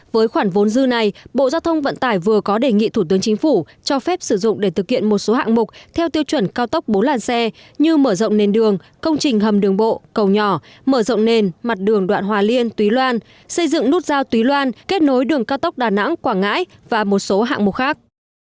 với khoản vốn dư này bộ giao thông vận tải vừa có đề nghị thủ tướng chính phủ cho phép sử dụng để thực hiện một số hạng mục theo tiêu chuẩn cao tốc bốn làn xe như mở rộng nền đường công trình hầm đường bộ cầu nhỏ mở rộng nền mặt đường đoạn hòa liên túy loan xây dựng nút giao túy loan kết nối đường cao tốc đà nẵng quảng ngãi và một số hạng mục khác